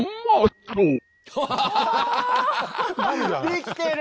できてる！